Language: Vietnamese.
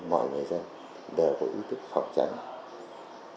mọi người dân để có ý thức học tránh